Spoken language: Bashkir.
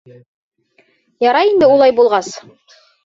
Ярай инде улай булғас.